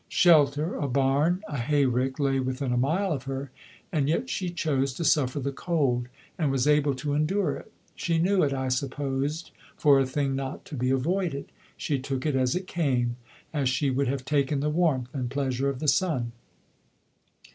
Shelter a barn, a hayrick lay within a mile of her; and yet she chose to suffer the cold, and was able to endure it. She knew it, I supposed, for a thing not to be avoided; she took it as it came as she would have taken the warmth and pleasure of the sun.